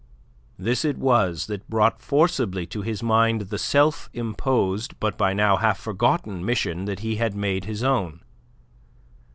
This it was that brought forcibly to his mind the self imposed but by now half forgotten mission that he had made his own.